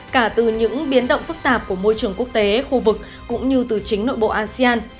cả từ những biến động phức tạp của môi trường quốc tế khu vực cũng như từ chính nội bộ asean